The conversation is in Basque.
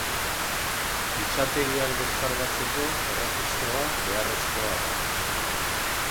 Fitxategiak deskargatzeko erregistroa beharrezkoa da.